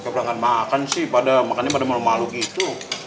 kita pernah makan sih makannya pada malu malu gitu